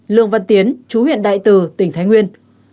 lương văn tiến chú huyện đại từ tỉnh thái nguyên